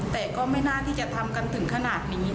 แต่ก็ไม่น่าที่จะทำกันถึงขนาดนี้